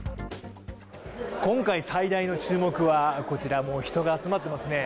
今回最大の注目はこちら、人が集まっていますね